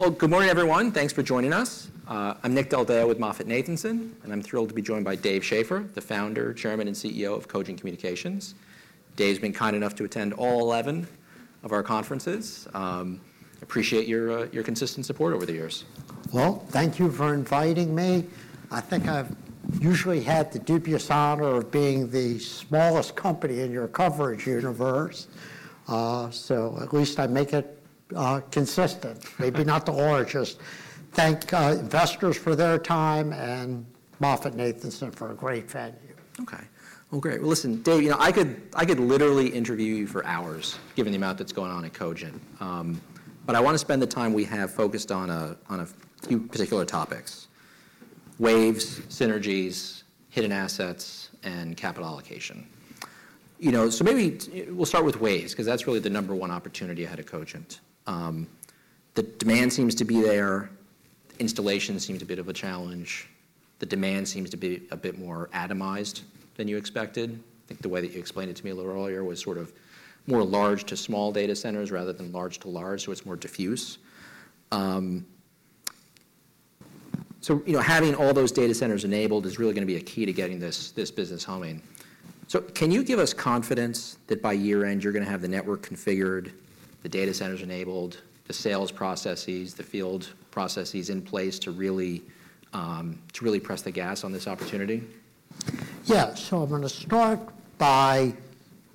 Well, good morning, everyone. Thanks for joining us. I'm Nick Del Deo with MoffettNathanson, and I'm thrilled to be joined by Dave Schaeffer, the founder, chairman, and CEO of Cogent Communications. Dave's been kind enough to attend all 11 of our conferences. Appreciate your consistent support over the years. Well, thank you for inviting me. I think I've usually had the dubious honor of being the smallest company in your coverage universe. So at least I make it consistent, maybe not the largest. Thank investors for their time, and MoffettNathanson for a great venue. Okay. Well, great. Well, listen, Dave, you know, I could, I could literally interview you for hours, given the amount that's going on in Cogent. But I wanna spend the time we have focused on a, on a few particular topics: waves, synergies, hidden assets, and capital allocation. You know, so maybe we'll start with waves, 'cause that's really the number one opportunity ahead of Cogent. The demand seems to be there, installation seems a bit of a challenge. The demand seems to be a bit more atomized than you expected. I think the way that you explained it to me a little earlier was sort of more large to small data centers rather than large to large, so it's more diffuse. You know, having all those data centers enabled is really gonna be a key to getting this, this business humming. So can you give us confidence that by year-end, you're gonna have the network configured, the data centers enabled, the sales processes, the field processes in place to really, to really press the gas on this opportunity? Yeah. So I'm gonna start by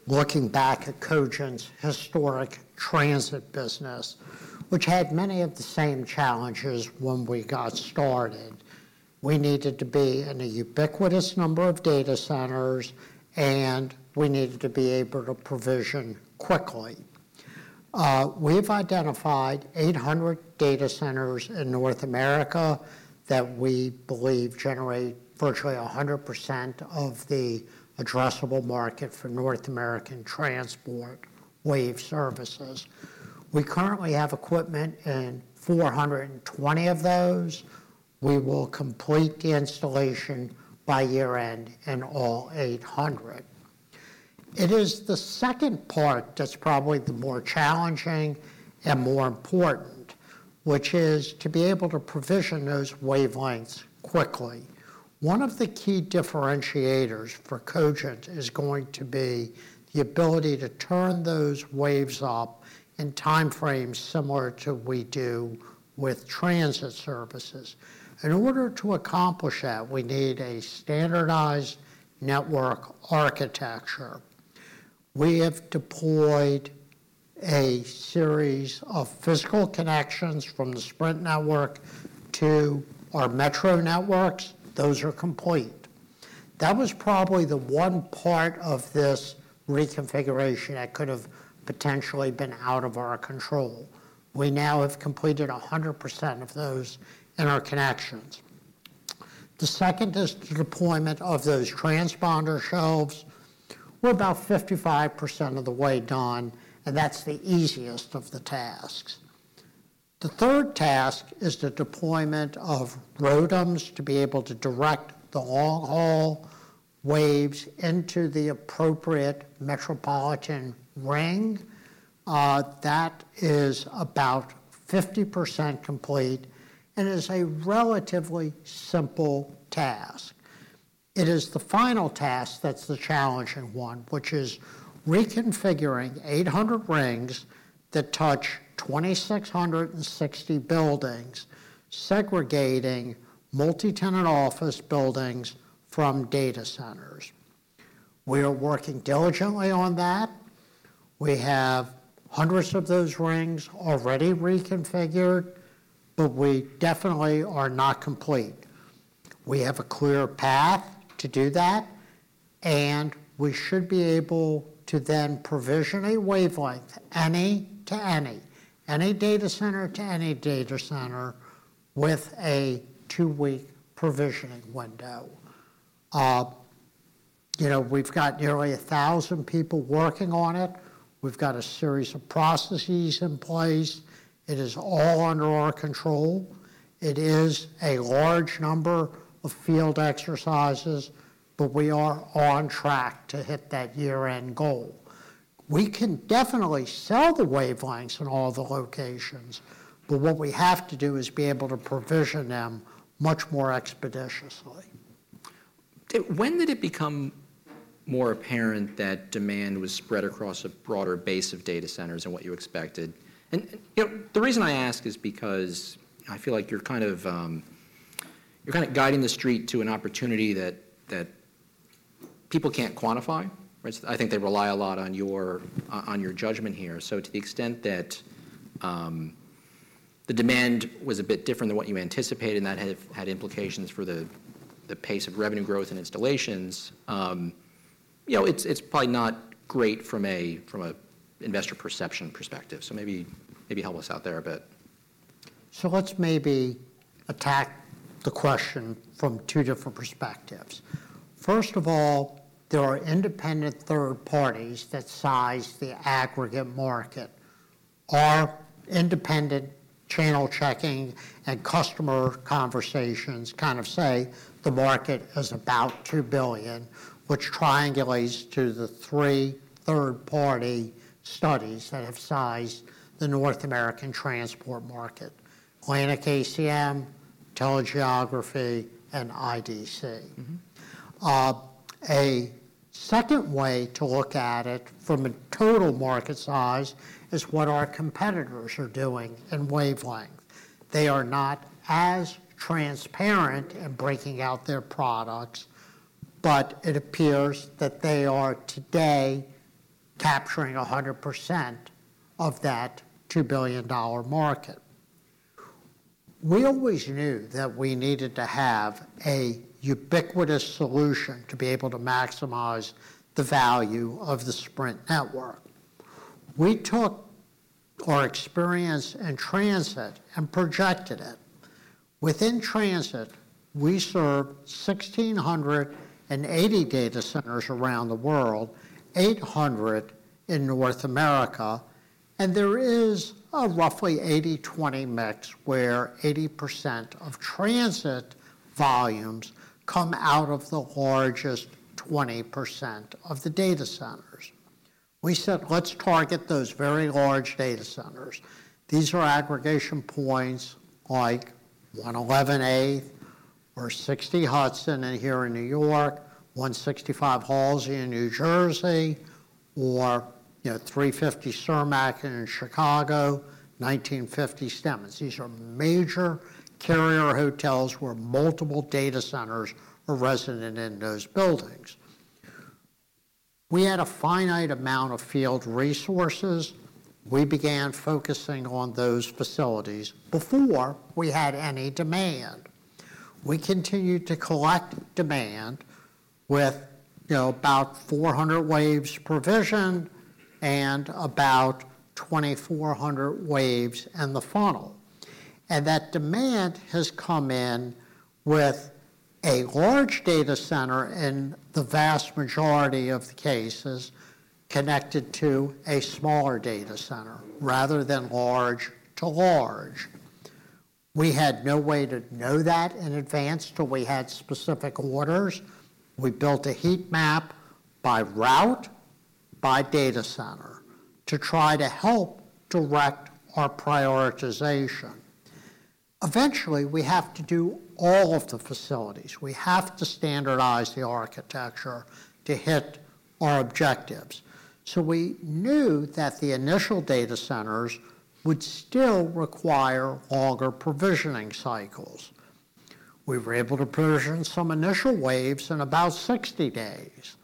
looking back at Cogent's historic transit business, which had many of the same challenges when we got started. We needed to be in a ubiquitous number of data centers, and we needed to be able to provision quickly. We've identified 800 data centers in North America that we believe generate virtually 100% of the addressable market for North American transport wave services. We currently have equipment in 420 of those. We will complete the installation by year-end in all 800. It is the second part that's probably the more challenging and more important, which is to be able to provision those wavelengths quickly. One of the key differentiators for Cogent is going to be the ability to turn those waves up in time frames similar to we do with transit services. In order to accomplish that, we need a standardized network architecture. We have deployed a series of physical connections from the Sprint network to our metro networks. Those are complete. That was probably the one part of this reconfiguration that could have potentially been out of our control. We now have completed 100% of those in our connections. The second is the deployment of those transponder shelves. We're about 55% of the way done, and that's the easiest of the tasks. The third task is the deployment of ROADMs to be able to direct the long-haul waves into the appropriate metropolitan ring. That is about 50% complete and is a relatively simple task. It is the final task that's the challenging one, which is reconfiguring 800 rings that touch 2,660 buildings, segregating multi-tenant office buildings from data centers. We are working diligently on that. We have hundreds of those rings already reconfigured, but we definitely are not complete. We have a clear path to do that, and we should be able to then provision a wavelength, any to any, any data center to any data center, with a two-week provisioning window. You know, we've got nearly 1,000 people working on it. We've got a series of processes in place. It is all under our control. It is a large number of field exercises, but we are on track to hit that year-end goal. We can definitely sell the wavelengths in all the locations, but what we have to do is be able to provision them much more expeditiously. When did it become more apparent that demand was spread across a broader base of data centers than what you expected? And, you know, the reason I ask is because I feel like you're kind of guiding the street to an opportunity that people can't quantify, right? I think they rely a lot on your judgment here. So to the extent that the demand was a bit different than what you anticipated, and that had implications for the pace of revenue growth and installations, you know, it's probably not great from a investor perception perspective, so maybe help us out there a bit. So let's maybe attack the question from two different perspectives. First of all, there are independent third parties that size the aggregate market. Our independent channel checking and customer conversations kind of say the market is about $2 billion, which triangulates to the three third-party studies that have sized the North American transport market: Atlantic-ACM, TeleGeography, and IDC. Mm-hmm. A second way to look at it from a total market size is what our competitors are doing in wavelength. They are not as transparent in breaking out their products, but it appears that they are today capturing 100% of that $2 billion market. We always knew that we needed to have a ubiquitous solution to be able to maximize the value of the Sprint network. We took our experience in Transit and projected it. Within Transit, we served 1,680 data centers around the world, 800 in North America, and there is a roughly 80/20 mix, where 80% of Transit volumes come out of the largest 20% of the data centers. We said: Let's target those very large data centers. These are aggregation points like 111 Eighth or 60 Hudson right in New York, 165 Halsey in New Jersey, or, you know, 350 Cermak in Chicago, 1950 Stemmons. These are major carrier hotels where multiple data centers are resident in those buildings. We had a finite amount of field resources. We began focusing on those facilities before we had any demand. We continued to collect demand with, you know, about 400 waves provisioned and about 2,400 waves in the funnel, and that demand has come in with a large data center, in the vast majority of the cases, connected to a smaller data center, rather than large to large. We had no way to know that in advance till we had specific orders. We built a heat map by route, by data center, to try to help direct our prioritization. Eventually, we have to do all of the facilities. We have to standardize the architecture to hit our objectives. So we knew that the initial data centers would still require longer provisioning cycles. We were able to provision some initial waves in about 60 days.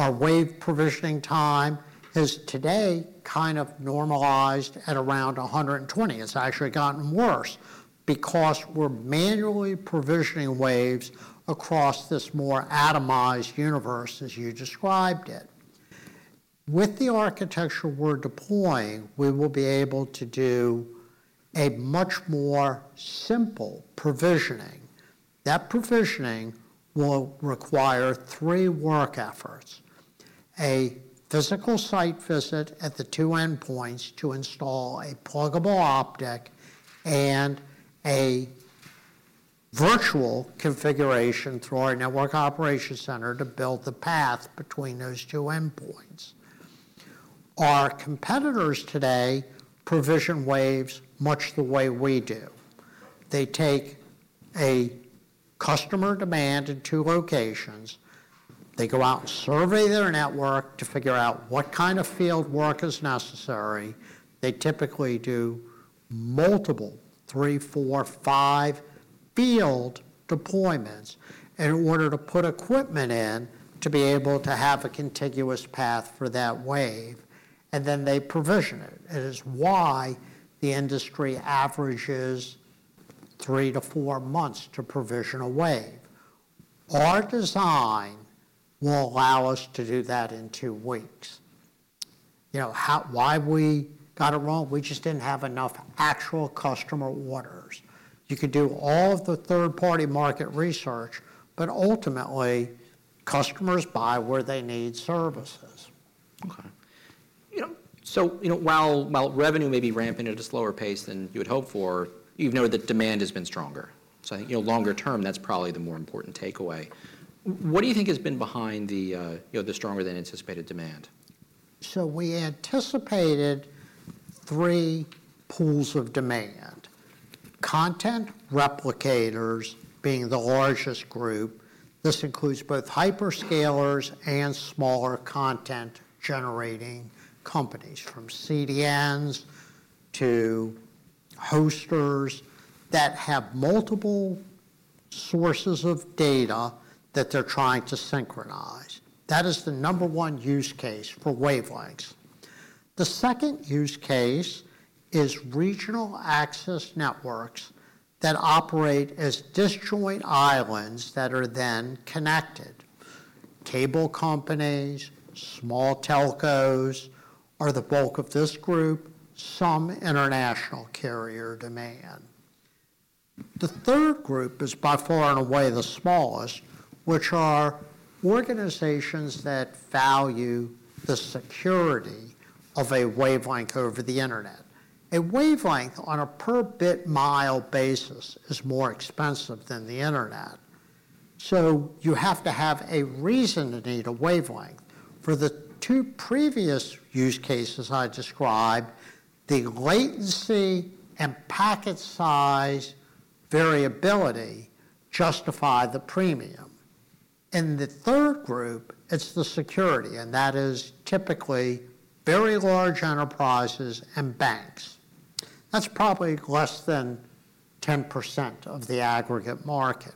Our wave provisioning time is today kind of normalized at around 120. It's actually gotten worse, because we're manually provisioning waves across this more atomized universe, as you described it. With the architecture we're deploying, we will be able to do a much more simple provisioning. That provisioning will require three work efforts: a physical site visit at the two endpoints to install a pluggable optic and a virtual configuration through our network operation center to build the path between those two endpoints. Our competitors today provision waves much the way we do. They take a customer demand in two locations. They go out and survey their network to figure out what kind of field work is necessary. They typically do multiple, 3, 4, 5 field deployments in order to put equipment in, to be able to have a contiguous path for that wave, and then they provision it. It is why the industry averages 3-4 months to provision a wave. Our design will allow us to do that in 2 weeks. You know, why we got it wrong? We just didn't have enough actual customer orders. You could do all of the third-party market research, but ultimately, customers buy where they need services. Okay. You know, so, you know, while revenue may be ramping at a slower pace than you would hope for, you've noted that demand has been stronger. So, you know, longer term, that's probably the more important takeaway. What do you think has been behind the, you know, the stronger-than-anticipated demand? So we anticipated three pools of demand: content replicators being the largest group. This includes both hyperscalers and smaller content-generating companies, from CDNs to hosters that have multiple sources of data that they're trying to synchronize. That is the number one use case for wavelengths. The second use case is regional access networks that operate as disjoint islands that are then connected. Cable companies, small telcos are the bulk of this group, some international carrier demand. The third group is by far and away the smallest, which are organizations that value the security of a wavelength over the internet. A wavelength, on a per-bit-mile basis, is more expensive than the internet. So you have to have a reason to need a wavelength. For the two previous use cases I described, the latency and packet size variability justify the premium. In the third group, it's the security, and that is typically very large enterprises and banks. That's probably less than 10% of the aggregate market.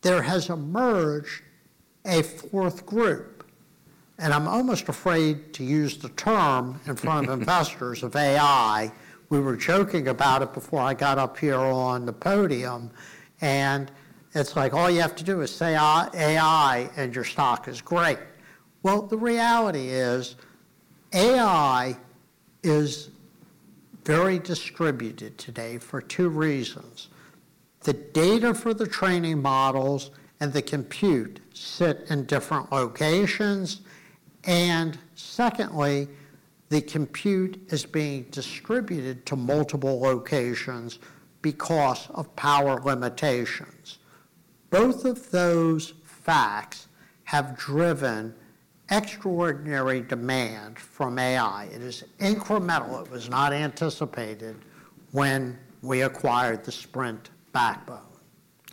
There has emerged a fourth group, and I'm almost afraid to use the term-in front of investors, of AI. We were joking about it before I got up here on the podium, and it's like all you have to do is say AI, AI, and your stock is great. Well, the reality is, AI is very distributed today for two reasons: the data for the training models and the compute sit in different locations, and secondly, the compute is being distributed to multiple locations because of power limitations. Both of those facts have driven extraordinary demand from AI. It is incremental. It was not anticipated when we acquired the Sprint backbone.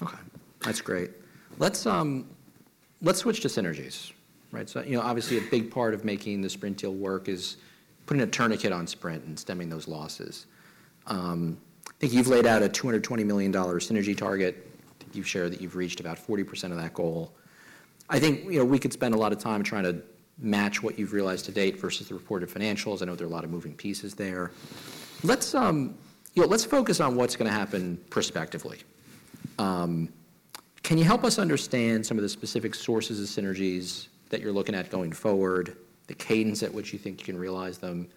Okay, that's great. Let's switch to synergies, right? So, you know, obviously, a big part of making the Sprint deal work is putting a tourniquet on Sprint and stemming those losses. I think you've laid out a $220 million synergy target. I think you've shared that you've reached about 40% of that goal. I think, you know, we could spend a lot of time trying to match what you've realized to date versus the reported financials. I know there are a lot of moving pieces there. Let's, you know, let's focus on what's gonna happen prospectively. Can you help us understand some of the specific sources of synergies that you're looking at going forward, the cadence at which you think you can realize them,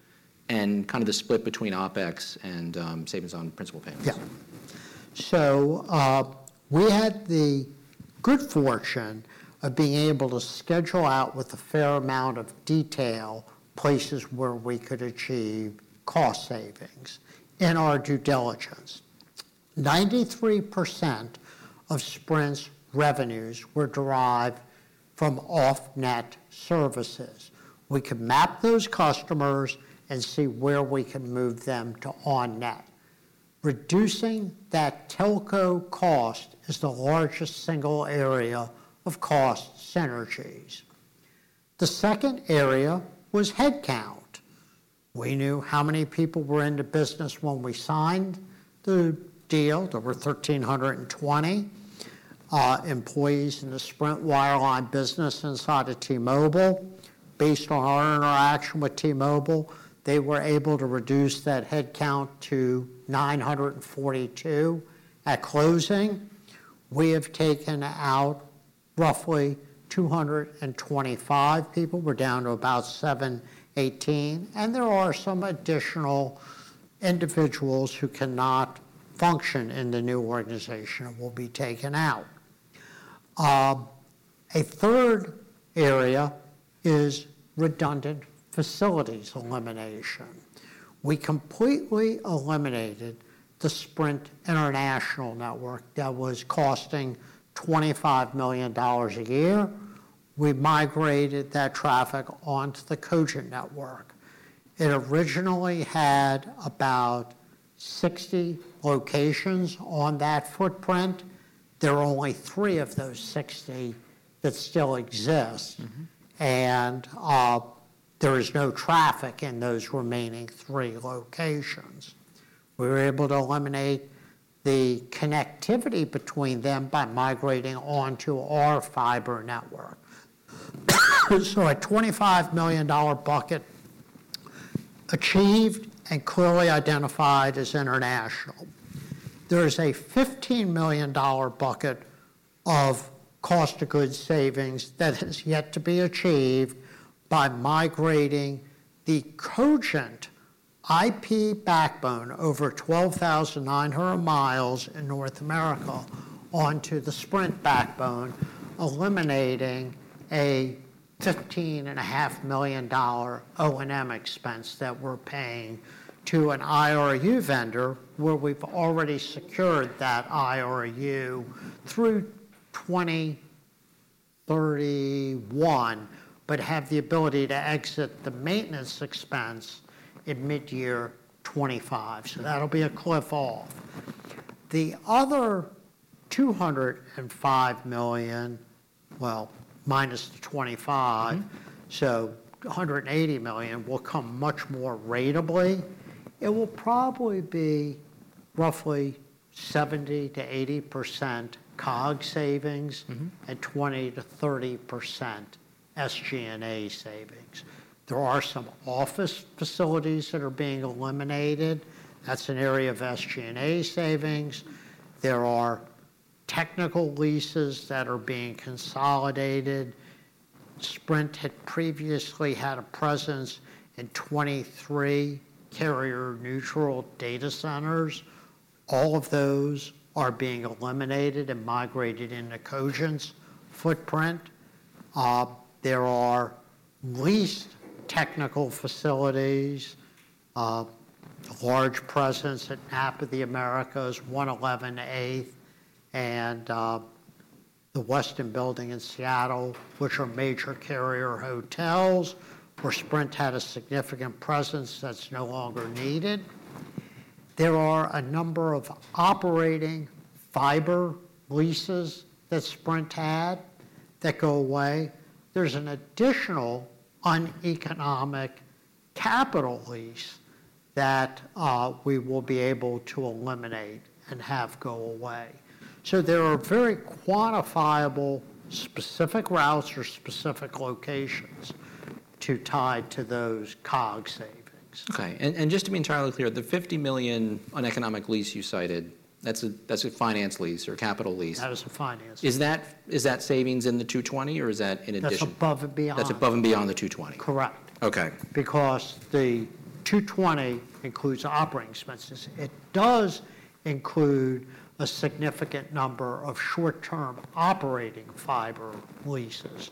and kind of the split between OpEx and savings on principal payments? Yeah. So, we had the good fortune of being able to schedule out, with a fair amount of detail, places where we could achieve cost savings in our due diligence. 93% of Sprint's revenues were derived from off-net services. We could map those customers and see where we can move them to on-net. Reducing that telco cost is the largest single area of cost synergies. The second area was headcount. We knew how many people were in the business when we signed the deal. There were 1,320 employees in the Sprint wireline business inside of T-Mobile. Based on our interaction with T-Mobile, they were able to reduce that headcount to 942 at closing. We have taken out roughly 225 people. We're down to about 718, and there are some additional individuals who cannot function in the new organization and will be taken out. A third area is redundant facilities elimination. We completely eliminated the Sprint international network that was costing $25 million a year. We migrated that traffic onto the Cogent network. It originally had about 60 locations on that footprint. There are only 3 of those 60 that still exist and there is no traffic in those remaining three locations. We were able to eliminate the connectivity between them by migrating onto our fiber network. So a $25 million bucket achieved and clearly identified as international. There is a $15 million bucket of cost of goods savings that is yet to be achieved by migrating the Cogent IP backbone over 12,900 miles in North America onto the Sprint backbone, eliminating a $15.5 million O&M expense that we're paying to an IRU vendor, where we've already secured that IRU through 2031, but have the ability to exit the maintenance expense in mid-year 2025. So that'll be a cliff fall. The other $205 million, well, minus the $25 million, so $180 million, will come much more ratably. It will probably be roughly 70%-80% COGS savings and 20%-30% SG&A savings. There are some office facilities that are being eliminated. That's an area of SG&A savings. There are technical leases that are being consolidated. Sprint had previously had a presence in 23 carrier-neutral data centers. All of those are being eliminated and migrated into Cogent's footprint. There are leased technical facilities, a large presence at NAP of the Americas, 111 Eighth Avenue, and the Westin Building Exchange in Seattle, which are major carrier hotels where Sprint had a significant presence that's no longer needed. There are a number of operating fiber leases that Sprint had that go away. There's an additional uneconomic capital lease that we will be able to eliminate and have go away. So there are very quantifiable, specific routes or specific locations to tie to those COG savings. Okay, and, and just to be entirely clear, the $50 million uneconomic lease you cited, that's a, that's a finance lease or capital lease? That is a finance. Is that, is that savings in the $220 million, or is that in addition? That's above and beyond. That's above and beyond the $220 million. Correct. Okay. Because the $220 million includes operating expenses. It does include a significant number of short-term operating fiber leases.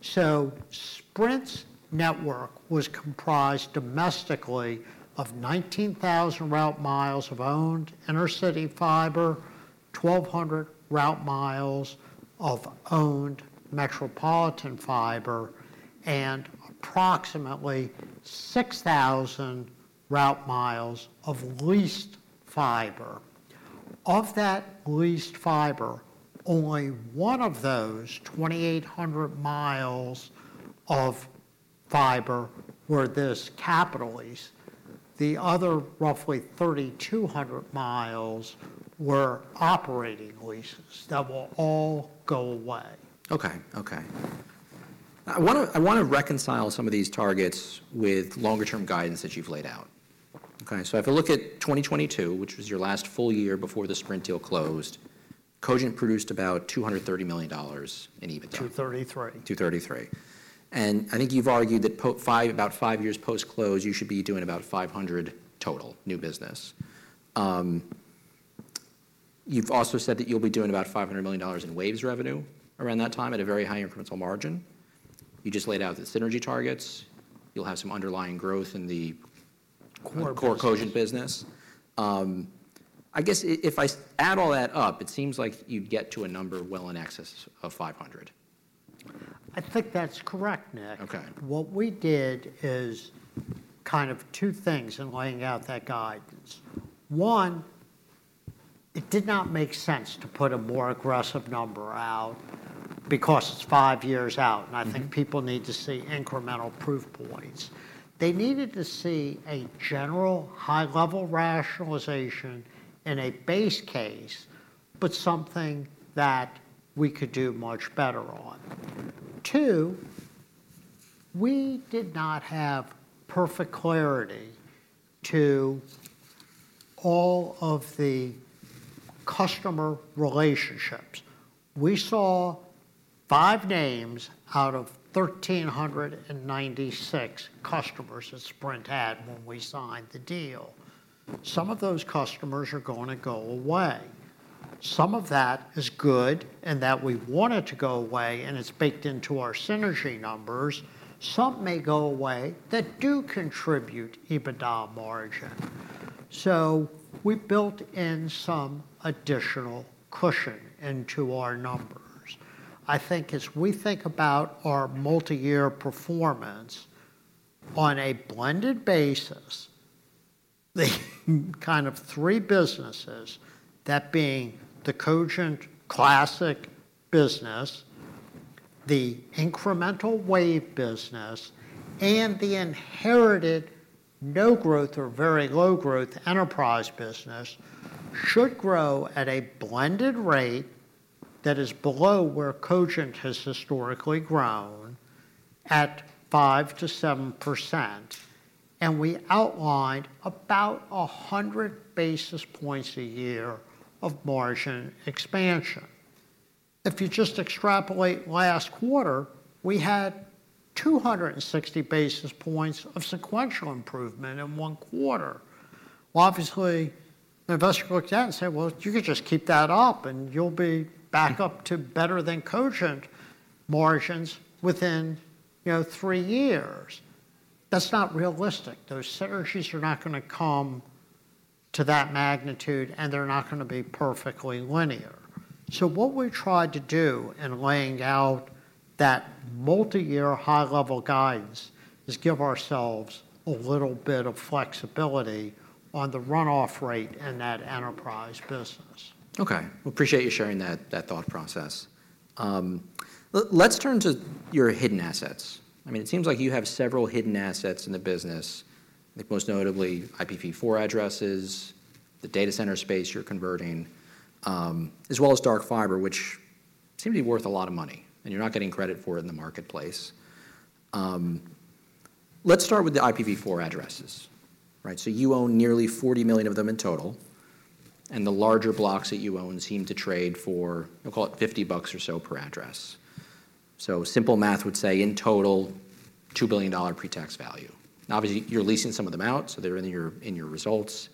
So Sprint's network was comprised domestically of 19,000 route miles of owned inter-city fiber, 1,200 route miles of owned metropolitan fiber, and approximately 6,000 route miles of leased fiber. Of that leased fiber, only one of those 2,800 miles of fiber were this capital lease. The other, roughly 3,200 miles, were operating leases that will all go away. Okay. Okay. I wanna, I wanna reconcile some of these targets with longer-term guidance that you've laid out. Okay, so if I look at 2022, which was your last full year before the Sprint deal closed, Cogent produced about $230 million in EBITDA. $233 million. $233 million. I think you've argued that post-5, about 5 years post-close, you should be doing about 500 total new business. You've also said that you'll be doing about $500 million in waves revenue around that time at a very high incremental margin. You just laid out the synergy targets. You'll have some underlying growth in the- Core business... core Cogent business. I guess if I add all that up, it seems like you'd get to a number well in excess of $500 million. I think that's correct, Nick. Okay. What we did is kind of two things in laying out that guidance. One, it did not make sense to put a more aggressive number out because it's five years out, and I think people need to see incremental proof points. They needed to see a general high-level rationalization and a base case, but something that we could do much better on. Two, we did not have perfect clarity to all of the customer relationships. We saw five names out of 1,396 customers that Sprint had when we signed the deal. Some of those customers are gonna go away. Some of that is good, and that we want it to go away, and it's baked into our synergy numbers. Some may go away that do contribute EBITDA margin. So we built in some additional cushion into our numbers. I think as we think about our multi-year performance on a blended basis, the kind of three businesses, that being the Cogent classic business, the incremental Wave business, and the inherited no-growth or very low-growth enterprise business, should grow at a blended rate that is below where Cogent has historically grown at 5%-7%, and we outlined about 100 basis points a year of margin expansion. If you just extrapolate last quarter, we had 260 basis points of sequential improvement in one quarter. Well, obviously, the investor looked at it and said: "Well, you could just keep that up, and you'll be back up to better-than-Cogent margins within, you know, 3 years." That's not realistic. Those synergies are not gonna come to that magnitude, and they're not gonna be perfectly linear. What we tried to do in laying out that multi-year high-level guidance is give ourselves a little bit of flexibility on the run-off rate in that enterprise business. Okay. We appreciate you sharing that thought process. Let's turn to your hidden assets. I mean, it seems like you have several hidden assets in the business, I think most notably IPv4 addresses, the data center space you're converting, as well as dark fiber, which seem to be worth a lot of money, and you're not getting credit for it in the marketplace. Let's start with the IPv4 addresses, right? So you own nearly 40 million of them in total, and the larger blocks that you own seem to trade for, we'll call it $50 or so per address. So simple math would say, in total, $2 billion pre-tax value. And obviously, you're leasing some of them out, so they're in your, in your results.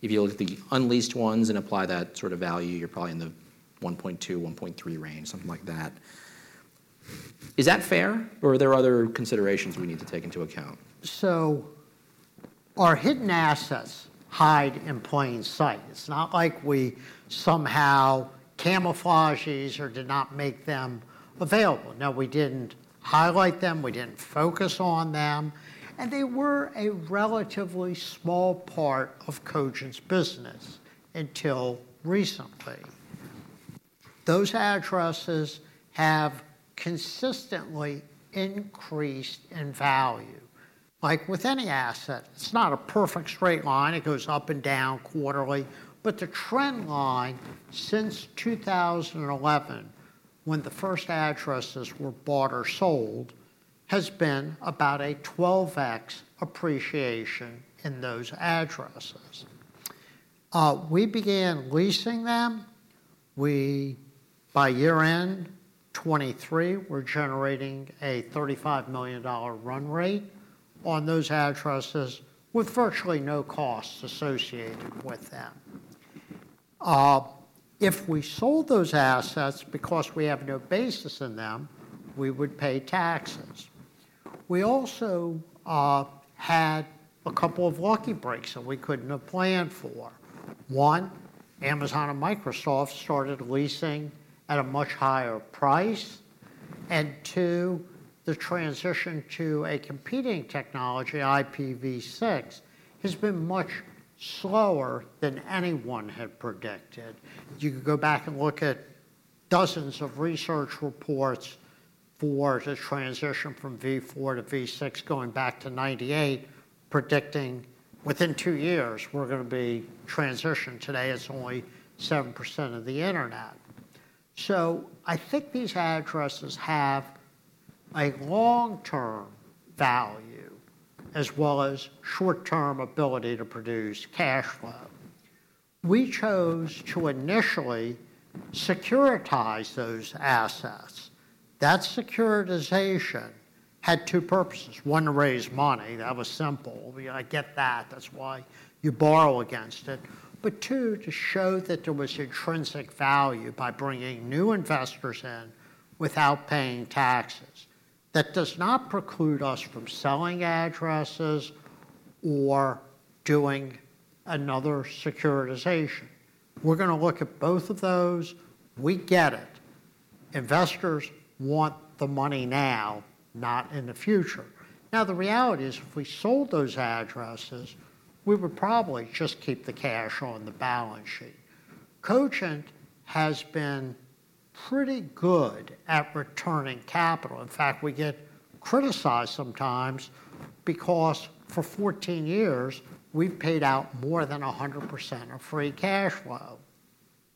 If you look at the unleased ones and apply that sort of value, you're probably in the $1.2-$1.3 range, something like that. Is that fair, or are there other considerations we need to take into account? So our hidden assets hide in plain sight. It's not like we somehow camouflaged these or did not make them available. Now, we didn't highlight them, we didn't focus on them, and they were a relatively small part of Cogent's business until recently. Those addresses have consistently increased in value. Like with any asset, it's not a perfect straight line. It goes up and down quarterly, but the trend line since 2011, when the first addresses were bought or sold, has been about a 12x appreciation in those addresses. We began leasing them. We, by year-end 2023, we're generating a $35 million run rate on those addresses with virtually no costs associated with them. If we sold those assets because we have no basis in them, we would pay taxes. We also had a couple of lucky breaks that we couldn't have planned for. One, Amazon and Microsoft started leasing at a much higher price, and two, the transition to a competing technology, IPv6, has been much slower than anyone had predicted. You could go back and look at dozens of research reports for the transition from IPv4 to IPv6, going back to 1998, predicting within two years, we're gonna be transitioned. Today, it's only 7% of the internet. So I think these addresses have a long-term value, as well as short-term ability to produce cash flow. We chose to initially securitize those assets. That securitization had two purposes: one, to raise money. That was simple. I get that, that's why you borrow against it. But two, to show that there was intrinsic value by bringing new investors in without paying taxes. That does not preclude us from selling addresses or doing another securitization. We're gonna look at both of those. We get it. Investors want the money now, not in the future. Now, the reality is, if we sold those addresses, we would probably just keep the cash on the balance sheet. Cogent has been pretty good at returning capital. In fact, we get criticized sometimes because for 14 years, we've paid out more than 100% of free cash flow.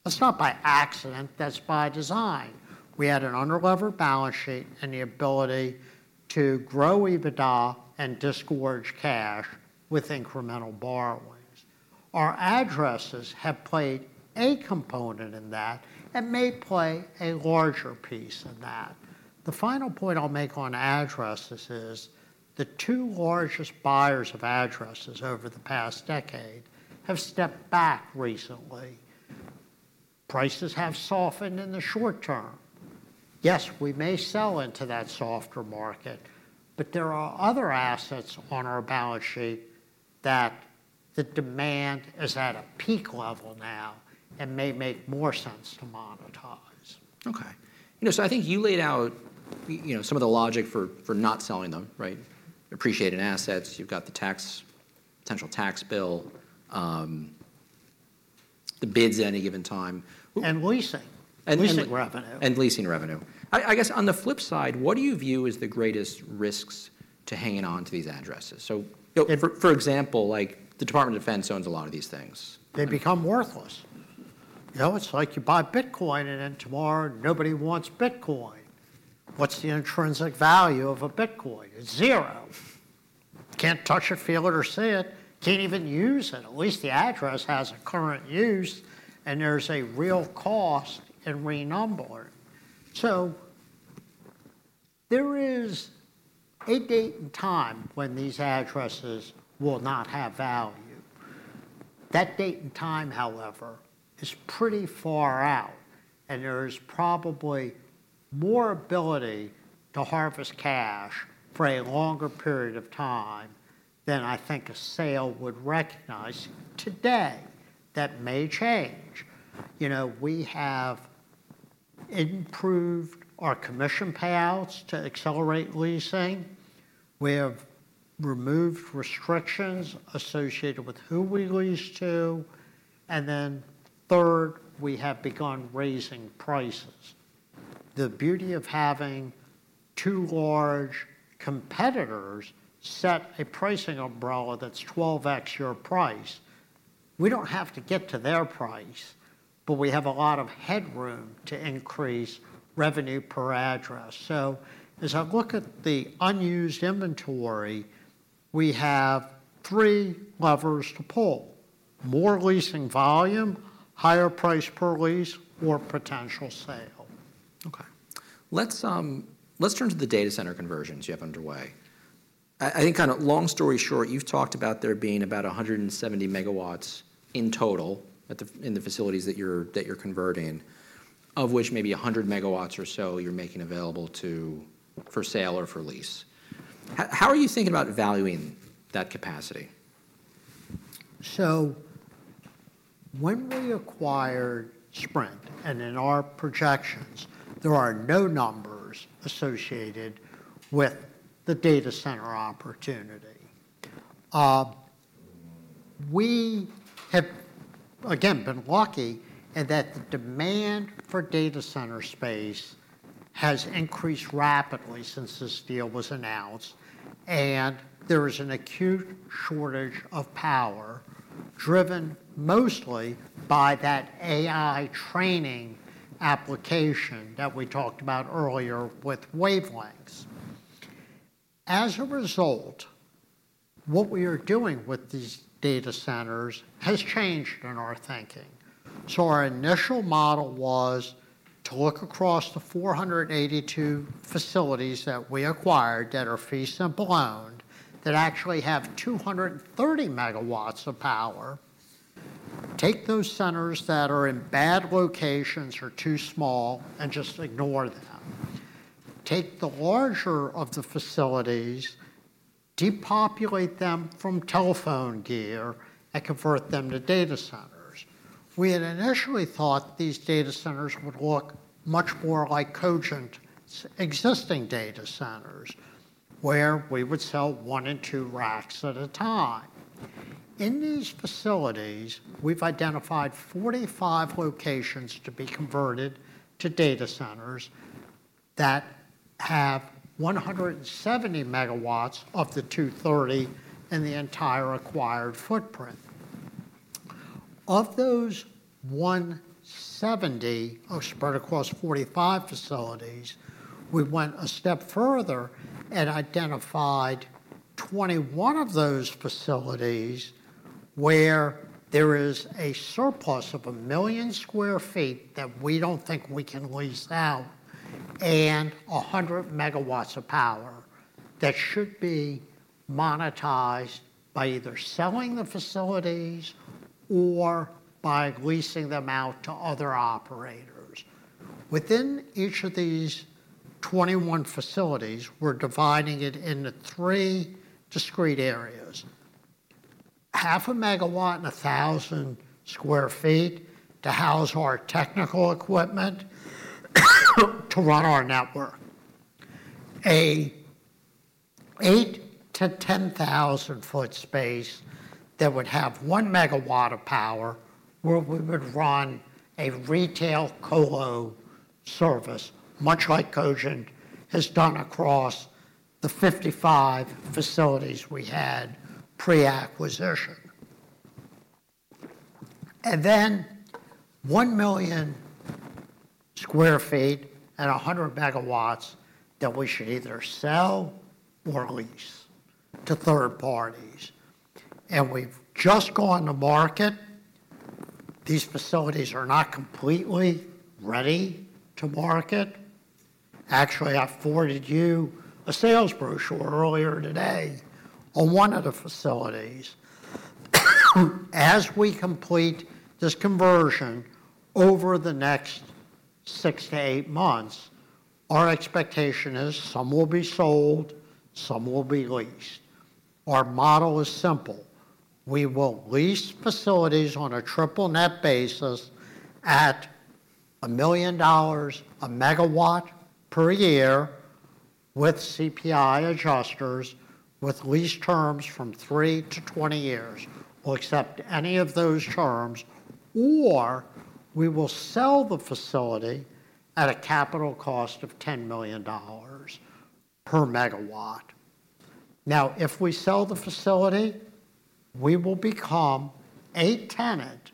That's not by accident, that's by design. We had an unlevered balance sheet and the ability to grow EBITDA and disgorge cash with incremental borrowings. Our addresses have played a component in that and may play a larger piece in that. The final point I'll make on addresses is, the two largest buyers of addresses over the past decade have stepped back recently. Prices have softened in the short term. Yes, we may sell into that softer market, but there are other assets on our balance sheet that the demand is at a peak level now and may make more sense to monetize. Okay. You know, so I think you laid out, you know, some of the logic for not selling them, right? Appreciated assets, you've got the tax, potential tax bill, the bids at any given time- And leasing- And leasing revenue. I guess on the flip side, what do you view as the greatest risks to hanging on to these addresses? So, for example, like, the Department of Defense owns a lot of these things. They become worthless. You know, it's like you buy Bitcoin, and then tomorrow, nobody wants Bitcoin. What's the intrinsic value of a Bitcoin? It's zero. Can't touch it, feel it, or see it. Can't even use it. At least the address has a current use, and there's a real cost in renumbering. So there is a date and time when these addresses will not have value. That date and time, however, is pretty far out, and there is probably more ability to harvest cash for a longer period of time than I think a sale would recognize today. That may change. You know, we have improved our commission payouts to accelerate leasing. We have removed restrictions associated with who we lease to, and then third, we have begun raising prices. The beauty of having two large competitors set a pricing umbrella that's 12x your price, we don't have to get to their price, but we have a lot of headroom to increase revenue per address. So as I look at the unused inventory, we have three levers to pull: more leasing volume, higher price per lease or potential sale. Okay, let's turn to the data center conversions you have underway. I think kind of long story short, you've talked about there being about 170 MW in total in the facilities that you're converting, of which maybe 100 MW or so you're making available for sale or for lease. How are you thinking about valuing that capacity? So when we acquired Sprint, and in our projections, there are no numbers associated with the data center opportunity. We have, again, been lucky in that the demand for data center space has increased rapidly since this deal was announced, and there is an acute shortage of power, driven mostly by that AI training application that we talked about earlier with wavelengths. As a result, what we are doing with these data centers has changed in our thinking. So our initial model was to look across the 482 facilities that we acquired that are fee simple owned, that actually have 230 MW of power. Take those centers that are in bad locations or too small, and just ignore them. Take the larger of the facilities, depopulate them from telephone gear, and convert them to data centers. We had initially thought these data centers would look much more like Cogent's existing data centers, where we would sell one and two racks at a time. In these facilities, we've identified 45 locations to be converted to data centers that have 170 MW of the 230 MW in the entire acquired footprint. Of those 170 MW, are spread across 45 facilities, we went a step further and identified 21 of those facilities where there is a surplus of 1 million sq ft that we don't think we can lease out, and 100 MW of power that should be monetized by either selling the facilities or by leasing them out to other operators. Within each of these 21 facilities, we're dividing it into three discrete areas: 0.5 MW and 1,000 sq ft to house our technical equipment, to run our network. An 8,000 sq ft-10,000 sq ft space that would have 1 MW of power, where we would run a retail colo service, much like Cogent has done across the 55 facilities we had pre-acquisition. Then 1 million sq ft and 100 MW that we should either sell or lease to third parties. We've just gone to market. These facilities are not completely ready to market. Actually, I forwarded you a sales brochure earlier today on one of the facilities. As we complete this conversion over the next 6-8 months, our expectation is some will be sold, some will be leased. Our model is simple: We will lease facilities on a triple net basis at $1 million per megawatt per year, with CPI adjusters, with lease terms from 3 to 20 years. We'll accept any of those terms, or we will sell the facility at a capital cost of $10 million per megawatt. Now, if we sell the facility, we will become a tenant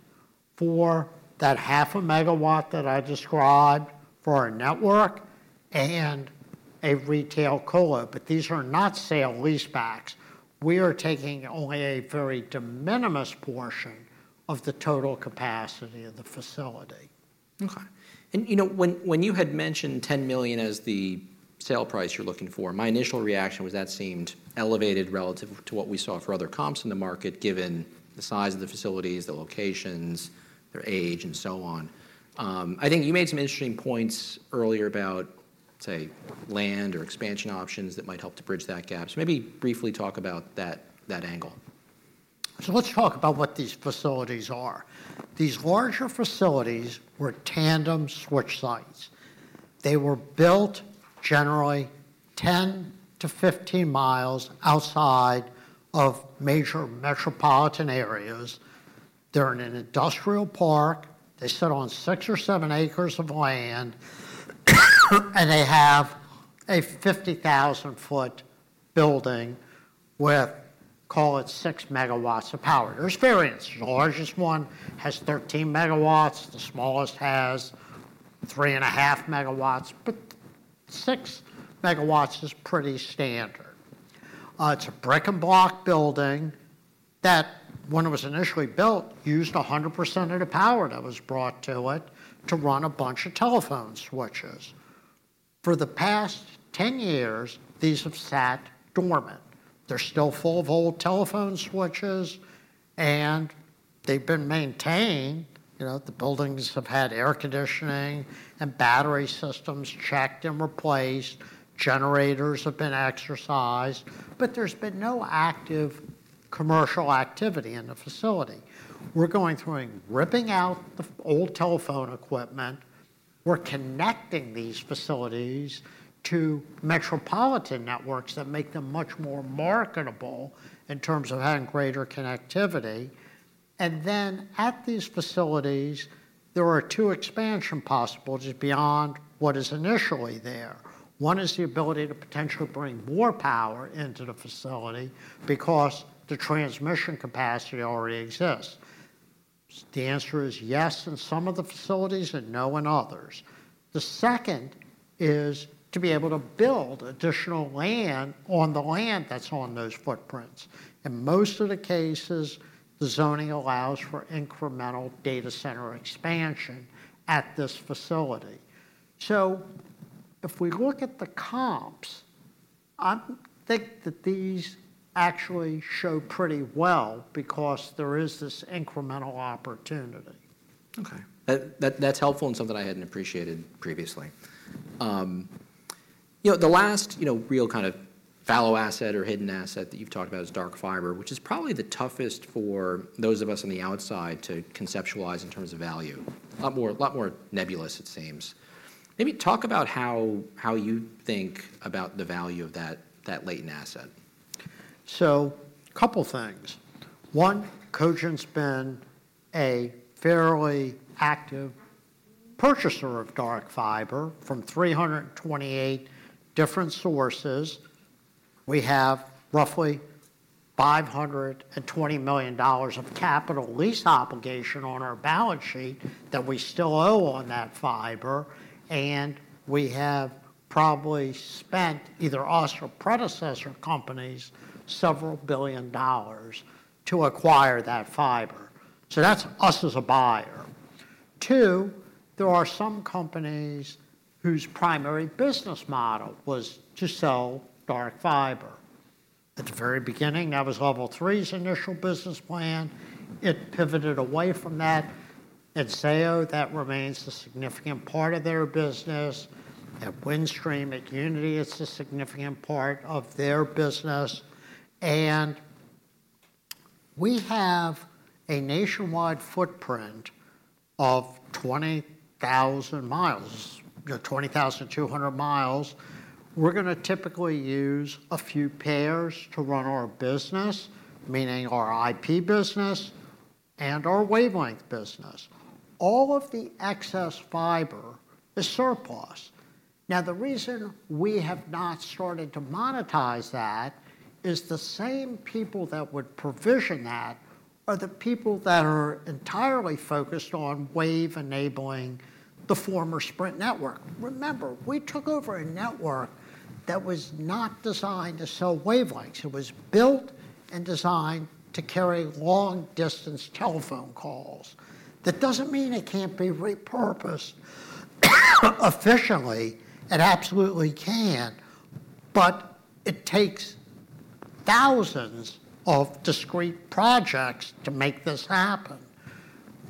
for that half a megawatt that I described for our network and a retail colo, but these are not sale leasebacks. We are taking only a very de minimis portion of the total capacity of the facility. Okay. And, you know, when you had mentioned $10 million as the sale price you're looking for, my initial reaction was that seemed elevated relative to what we saw for other comps in the market, given the size of the facilities, the locations, their age, and so on. I think you made some interesting points earlier about, say, land or expansion options that might help to bridge that gap. So maybe briefly talk about that angle. So let's talk about what these facilities are. These larger facilities were tandem switch sites. They were built generally 10 mi-15 mi outside of major metropolitan areas. They're in an industrial park. They sit on 6 or 7 acres of land, and they have a 50,000 sq ft building with, call it, 6 MW of power. There's variance. The largest one has 13 MW, the smallest has 3.5 MW, but 6 MW is pretty standard.... It's a brick-and-block building that, when it was initially built, used 100% of the power that was brought to it to run a bunch of telephone switches. For the past 10 years, these have sat dormant. They're still full of old telephone switches, and they've been maintained. You know, the buildings have had air conditioning and battery systems checked and replaced, generators have been exercised, but there's been no active commercial activity in the facility. We're going through and ripping out the old telephone equipment. We're connecting these facilities to metropolitan networks that make them much more marketable in terms of having greater connectivity, and then at these facilities, there are two expansion possibilities just beyond what is initially there. One is the ability to potentially bring more power into the facility because the transmission capacity already exists. The answer is yes in some of the facilities and no in others. The second is to be able to build additional land on the land that's on those footprints. In most of the cases, the zoning allows for incremental data center expansion at this facility. So if we look at the comps, I think that these actually show pretty well because there is this incremental opportunity. Okay. That's helpful and something I hadn't appreciated previously. You know, the last, you know, real kind of fallow asset or hidden asset that you've talked about is dark fiber, which is probably the toughest for those of us on the outside to conceptualize in terms of value. A lot more nebulous, it seems. Maybe talk about how you think about the value of that latent asset. So, couple things. One, Cogent's been a fairly active purchaser of dark fiber from 328 different sources. We have roughly $520 million of capital lease obligation on our balance sheet that we still owe on that fiber, and we have probably spent, either us or predecessor companies, several billion dollars to acquire that fiber. So that's us as a buyer. Two, there are some companies whose primary business model was to sell dark fiber. At the very beginning, that was Level 3's initial business plan. It pivoted away from that. At Zayo, that remains a significant part of their business. At Windstream, at Uniti, it's a significant part of their business, and we have a nationwide footprint of 20,000 mi, you know, 20,200 mi. We're gonna typically use a few pairs to run our business, meaning our IP business and our wavelength business. All of the excess fiber is surplus. Now, the reason we have not started to monetize that is the same people that would provision that are the people that are entirely focused on wave enabling the former Sprint network. Remember, we took over a network that was not designed to sell wavelengths. It was built and designed to carry long-distance telephone calls. That doesn't mean it can't be repurposed efficiently. It absolutely can, but it takes thousands of discrete projects to make this happen.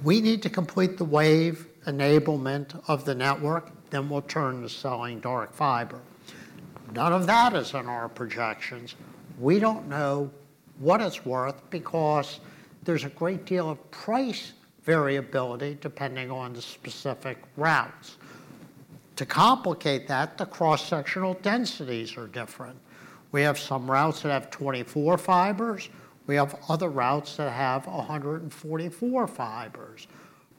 We need to complete the wave enablement of the network, then we'll turn to selling dark fiber. None of that is in our projections. We don't know what it's worth because there's a great deal of price variability depending on the specific routes. To complicate that, the cross-sectional densities are different. We have some routes that have 24 fibers. We have other routes that have 144 fibers.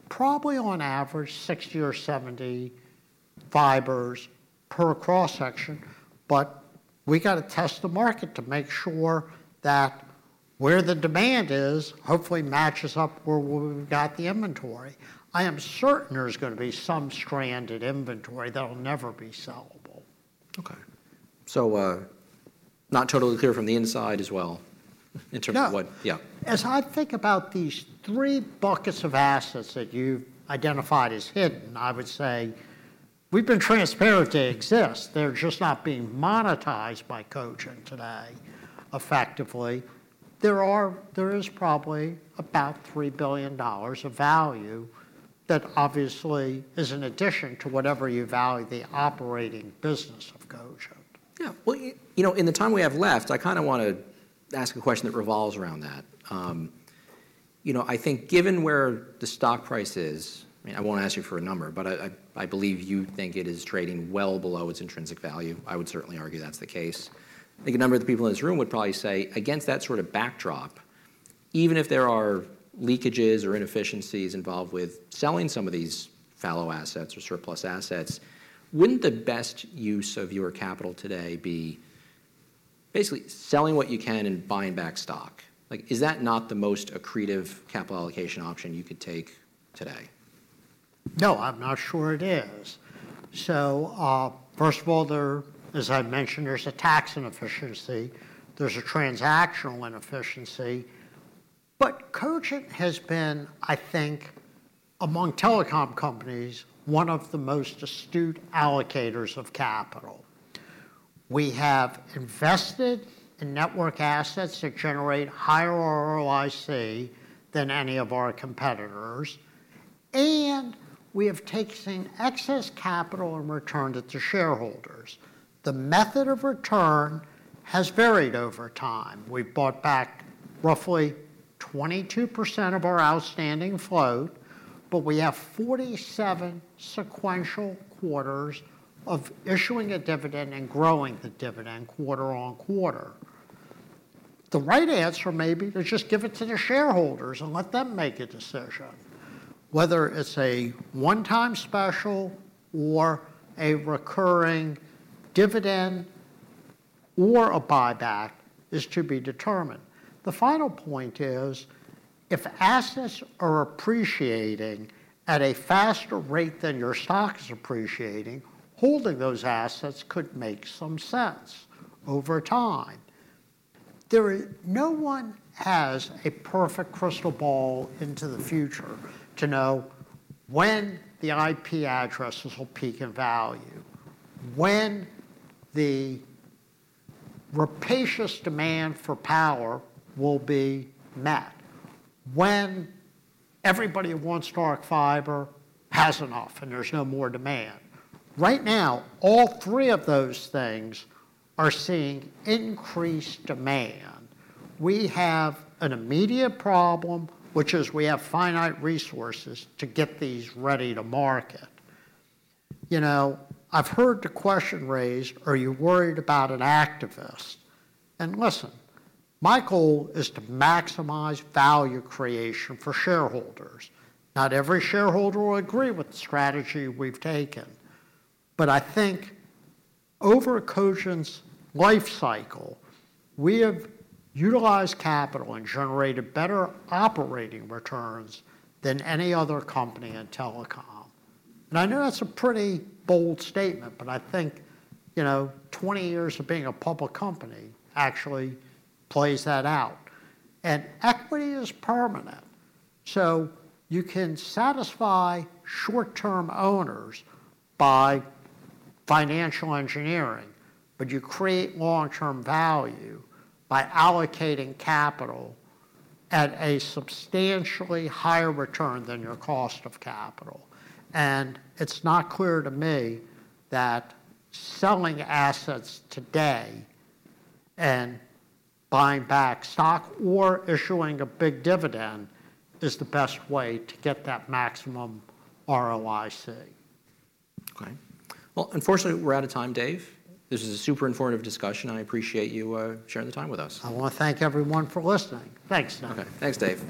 Probably on average, 60 fibers or 70 fibers per cross-section, but we got to test the market to make sure that where the demand is hopefully matches up where we've got the inventory. I am certain there's gonna be some stranded inventory that'll never be sellable. Okay. So, not totally clear from the inside as well in terms of what- No. Yeah. As I think about these three buckets of assets that you've identified as hidden, I would say we've been transparent they exist. They're just not being monetized by Cogent today effectively. There is probably about $3 billion of value that obviously is in addition to whatever you value the operating business of Cogent. Yeah. Well, you know, in the time we have left, I kinda wanna ask a question that revolves around that. You know, I think given where the stock price is, I mean, I won't ask you for a number, but I believe you think it is trading well below its intrinsic value. I would certainly argue that's the case. I think a number of the people in this room would probably say, against that sort of backdrop, even if there are leakages or inefficiencies involved with selling some of these fallow assets or surplus assets, wouldn't the best use of your capital today be basically selling what you can and buying back stock? Like, is that not the most accretive capital allocation option you could take today? No, I'm not sure it is. So, first of all, there, as I mentioned, there's a tax inefficiency, there's a transactional inefficiency. But Cogent has been, I think, among telecom companies, one of the most astute allocators of capital. We have invested in network assets that generate higher ROIC than any of our competitors, and we have taken excess capital and returned it to shareholders. The method of return has varied over time. We've bought back roughly 22% of our outstanding float, but we have 47 sequential quarters of issuing a dividend and growing the dividend quarter-on-quarter. The right answer may be to just give it to the shareholders and let them make a decision. Whether it's a one-time special or a recurring dividend or a buyback is to be determined. The final point is, if assets are appreciating at a faster rate than your stock is appreciating, holding those assets could make some sense over time. There is, no one has a perfect crystal ball into the future to know when the IP addresses will peak in value, when the rapacious demand for power will be met, when everybody who wants dark fiber has enough, and there's no more demand. Right now, all three of those things are seeing increased demand. We have an immediate problem, which is we have finite resources to get these ready to market. You know, I've heard the question raised: Are you worried about an activist? And listen, my goal is to maximize value creation for shareholders. Not every shareholder will agree with the strategy we've taken, but I think over Cogent's life cycle, we have utilized capital and generated better operating returns than any other company in telecom. And I know that's a pretty bold statement, but I think, you know, 20 years of being a public company actually plays that out. And equity is permanent, so you can satisfy short-term owners by financial engineering, but you create long-term value by allocating capital at a substantially higher return than your cost of capital. And it's not clear to me that selling assets today and buying back stock or issuing a big dividend is the best way to get that maximum ROIC. Okay. Well, unfortunately, we're out of time, Dave. This is a super informative discussion. I appreciate you sharing the time with us. I want to thank everyone for listening. Thanks, Nick. Okay. Thanks, Dave.